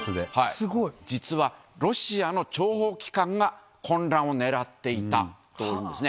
実は、ロシアの諜報機関が混乱を狙っていたというんですね。